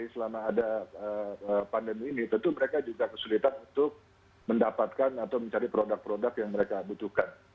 selama ada pandemi ini tentu mereka juga kesulitan untuk mendapatkan atau mencari produk produk yang mereka butuhkan